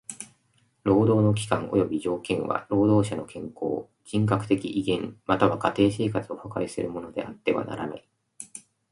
労働の期間および条件は労働者の健康、人格的威厳または家庭生活を破壊するものであってはならない。